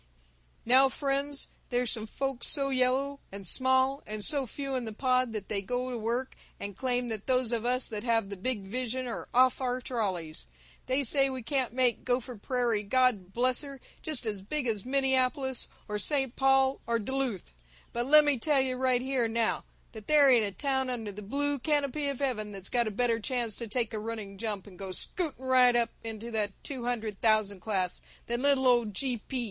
"Now, frien's, there's some folks so yellow and small and so few in the pod that they go to work and claim that those of us that have the big vision are off our trolleys. They say we can't make Gopher Prairie, God bless her! just as big as Minneapolis or St. Paul or Duluth. But lemme tell you right here and now that there ain't a town under the blue canopy of heaven that's got a better chance to take a running jump and go scooting right up into the two hundred thousand class than little old G. P.!